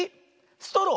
ストロー。